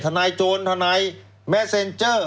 นายโจรทนายแมสเซ็นเจอร์